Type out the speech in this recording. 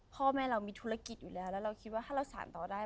พ่อแม่เรามีธุรกิจอยู่แล้วแล้วเราคิดว่าถ้าเราสารต่อได้